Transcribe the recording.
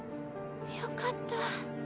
よかった。